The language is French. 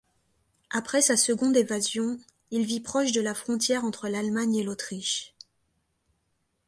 Après sa seconde évasion, il vit proche de la frontière entre l'Allemagne et l'Autriche.